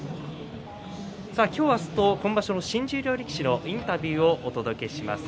今日は今場所、新十両力士のインタビューをお届けします。